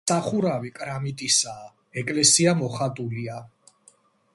სახურავი კრამიტისაა, ეკლესია მოხატულია.